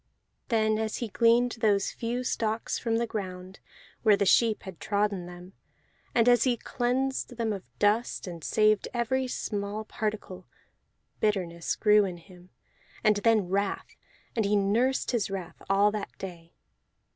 Then as he gleaned those few stalks from the ground, where the sheep had trodden them, and as he cleansed them of dust and saved every small particle: bitterness grew in him, and then wrath, and he nursed his wrath all that day.